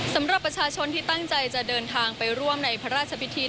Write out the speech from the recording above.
สำหรับประชาชนที่ตั้งใจจะเดินทางไปร่วมในพระราชพิธี